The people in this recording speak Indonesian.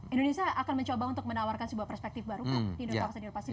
indonesia akan mencoba untuk menawarkan sebuah perspektif baru untuk indo pasifik